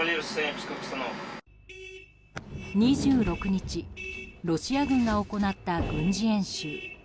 ２６日、ロシア軍が行った軍事演習。